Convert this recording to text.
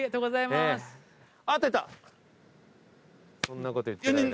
そんなこと言ってる間に。